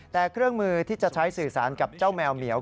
แต่เครื่องมือที่จะใช้สื่อสารกับเจ้าแมวเหมียว